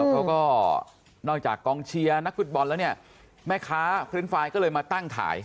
เขาก็นอกจากกองเชียร์นักฟุตบอลแล้วเนี่ยแม่ค้าพื้นไฟล์ก็เลยมาตั้งขาย